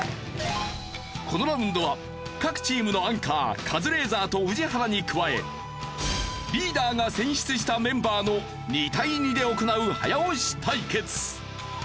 このラウンドは各チームのアンカーカズレーザーと宇治原に加えリーダーが選出したメンバーの２対２で行う早押し対決。